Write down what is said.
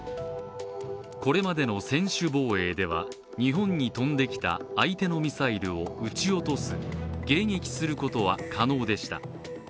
これまでの専守防衛では日本に飛んできた相手のミサイルを撃ち落とす＝迎撃することは可能でした。